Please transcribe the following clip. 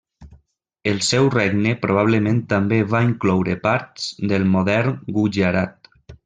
El seu regne probablement també va incloure parts del modern Gujarat.